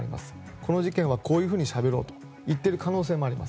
この事件は、こういうふうにしゃべろうと言っている可能性もあります。